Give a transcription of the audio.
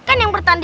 kan yang bertanda